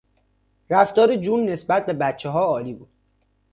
رفتار جون نسبت به بچهها عالی بود.